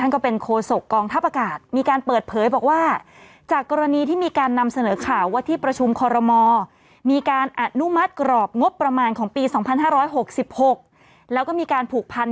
กรอบงบประมาณของปีสองพันห้าร้อยหกสิบหกแล้วก็มีการผูกพัน